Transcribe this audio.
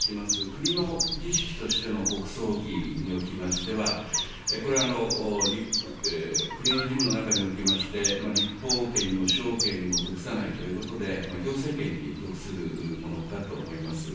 国の儀式としての国葬儀におきましては、これは国の事務の中におきまして、立法権にも司法権にも属さないということで、行政権に属するものかと思います。